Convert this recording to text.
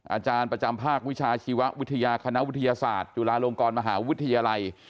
อาจารย์ประจำภาควิชาชีววิทยาคณะวิทยาศาสตร์จุฬาลงกรมหาวิทยาลัย